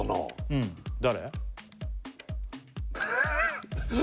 うん誰？